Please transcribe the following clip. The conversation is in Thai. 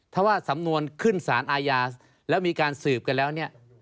ถ้าว่าสำนวนขึ้นสารอาญาแล้วมีการสืบกันแล้วเนี่ย